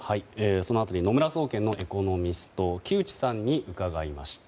その辺り野村総研のエコノミストの木内さんに伺いました。